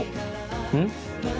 うん？